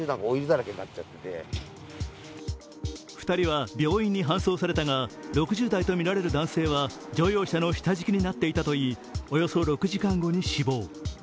２人は病院に搬送されたが６０代とみられる男性は乗用車の下敷きになっていたといいおよそ６時間後に死亡。